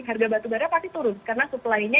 harga batubara pasti turun karena supply nya